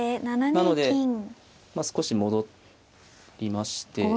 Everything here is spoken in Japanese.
なので少し戻りまして。